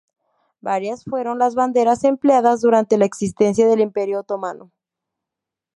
Varias fueron las banderas empleadas durante la existencia del Imperio otomano.